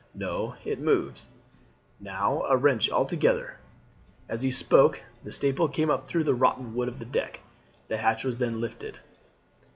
No, it moves. Now, a wrench all together." As he spoke the staple came up through the rotten wood of the deck. The hatch was then lifted.